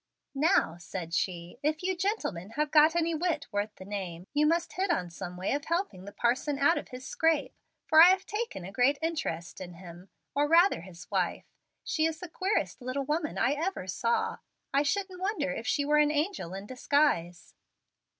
"Now," said she, "if you gentlemen have got any wit worth the name, you must hit on some way of helping the parson out of his scrape, for I have taken a great interest in him, or rather his wife. She is the queerest little woman I ever saw. I shouldn't wonder if she were an angel in disguise."